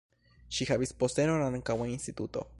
Ŝi havis postenon ankaŭ en instituto.